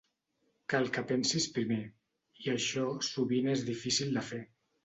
Cal que pensis primer, i això sovint és difícil de fer.